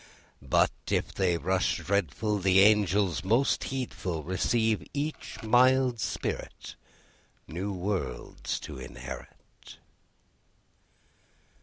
But, if they rush dreadful, The angels, most heedful, Receive each mild spirit, New worlds to inherit.